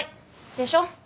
でしょ？